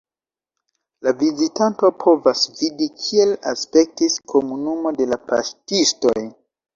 La vizitanto povas vidi, kiel aspektis komunumo de la paŝtistoj.